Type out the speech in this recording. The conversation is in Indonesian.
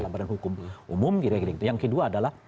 badan hukum umum kira kira gitu yang kedua adalah